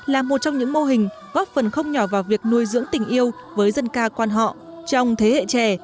là một trong những mô hình góp phần không nhỏ vào việc nuôi dưỡng tình yêu với dân ca quan họ trong thế hệ trẻ